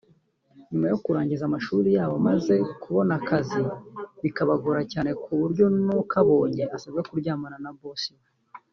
nyuma yo kurangiza amashuri yabo maze kubona akazi bikabagora cyane kuburyo n’ukabonye asabwa kuryamana na boss we